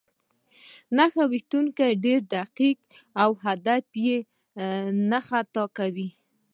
نښه ویشتونکی ډېر دقیق و او هدف یې نه خطا کاوه